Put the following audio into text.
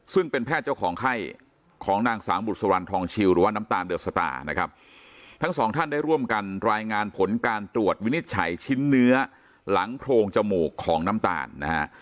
ซึ่งเป็นแพทย์เจ้าของไข้ของนางสาวบุษรรณทองชิวหรือว่าน้ำตาลเดอะสตาร์นะครับทั้งสองท่านได้ร่วมกันรายงานผลการตรวจวินิจฉัยชิ้นเนื้อหลังโพรงจมูกของน้ำตาลนะฮะ